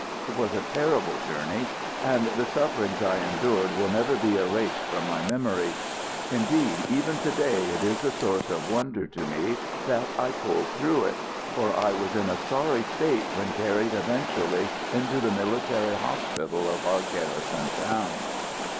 It was a terrible journey, and the sufferings I endured will never be erased from my memory. Indeed, even to day it is a source of wonder to me that I pulled through it, for I was in a sorry state when carried eventually into the military hospital of our garrison town.